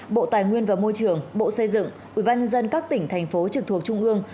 bộ tài nguyên và môi trường bộ xây dựng ubnd các tỉnh thành phố trực thuộc trung ương